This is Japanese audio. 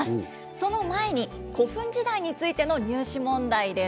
その前に、古墳時代についての入試問題です。